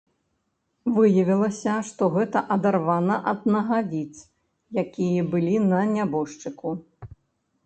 Выявілася, што гэта адарвана ад нагавіц, якія былі на нябожчыку.